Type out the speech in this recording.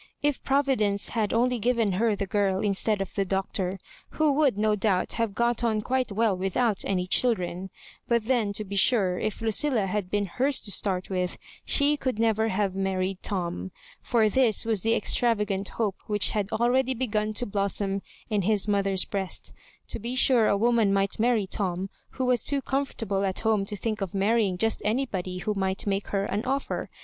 If Providence had only given her the girl in stead of the Doctor, who would no doubt have got on quite well without any children ; but then, to be sure, if Lucilla had been hers to start with, she never could have married Tom. For this was the extravagant hope which had already begun to blossom in his mothqg| breast. To be sure a woman might marry Tom, who was too comfortable at home to think of marrying just anybody who might make her an oflfer.